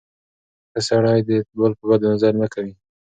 ښه سړی د بل په بدو نظر نه کوي.